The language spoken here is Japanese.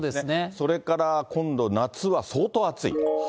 それから今度、夏は相当暑い。